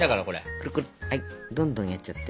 くるくるどんどんやっちゃって。